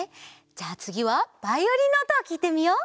じゃあつぎはバイオリンのおとをきいてみよう！